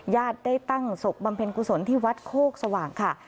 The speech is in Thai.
ญาติได้ตั้งศพบำเพ็ญกุศลที่วัดโคกสว่างค่ะ